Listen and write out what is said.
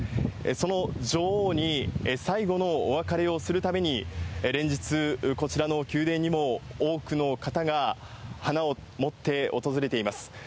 その女王に最後のお別れをするために、連日、こちらの宮殿にも多くの方が花を持って訪れています。